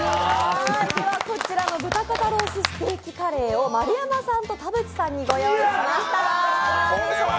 こちらの豚肩ロースステーキカレーを丸山さんと田渕さんにご用意しました。